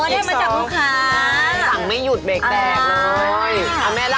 อ๋อเด้อตกมาจากพูดมา